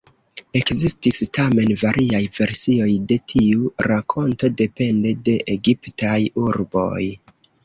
Ekzistis tamen variaj versioj de tiu rakonto depende de egiptaj urboj.